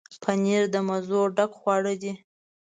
پنېر د مزو ډک خواړه دي.